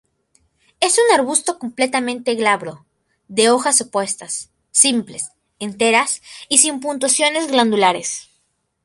Es un arbusto completamente glabro, de hojas opuestas, simples, enteras y sin puntuaciones glandulares.